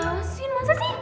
asin masa sih